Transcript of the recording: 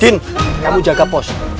din kamu jaga pos